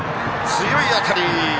強い当たり！